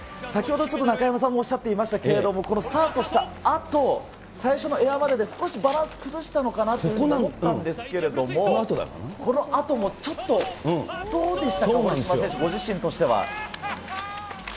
先ほどちょっと中山さんもおっしゃっていましたけれども、このスタートしたあと、最初のエアまでで少しバランス崩したのかなと思ったんですけど、このあともちょっと、どうでしたか、堀島選手ご自身としては。